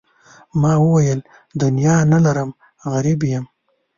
ما وویل دنیا نه لرم غریب یم.